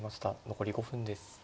残り５分です。